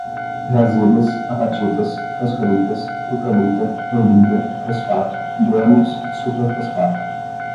jazidas, apatitas, fosforitas, cuprolita, olinda, fosfato, guanos, superfosfato